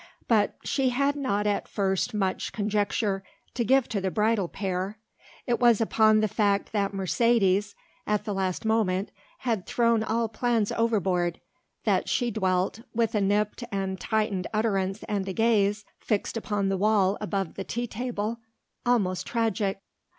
But she had not at first much conjecture to give to the bridal pair. It was upon the fact that Mercedes, at the last moment, had thrown all plans overboard, that she dwelt, with a nipped and tightened utterance and a gaze, fixed on the wall above the tea table, almost tragic.